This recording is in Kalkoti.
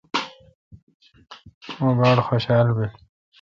مہ باڑ خوشال بیل۔